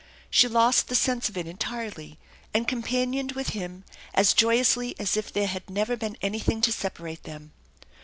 She lost the sense of it entirely and companioned with him as joy ously as if there had never been anything to separate them.